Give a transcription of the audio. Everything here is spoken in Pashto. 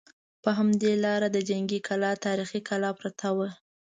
په همدې لاره د جنګي کلا تاریخي کلا پرته وه.